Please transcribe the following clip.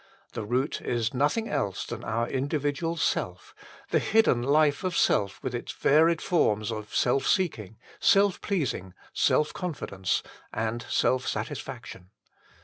This root is nothing else than our individual self, the hidden life of Self with its varied forms of self seeking, self pleasing, self confidence, and self satisfaction.